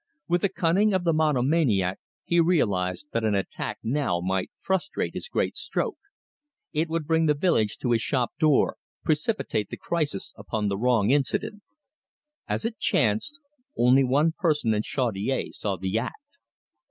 With the cunning of the monomaniac he realised that an attack now might frustrate his great stroke. It would bring the village to his shop door, precipitate the crisis upon the wrong incident. As it chanced, only one person in Chaudiere saw the act.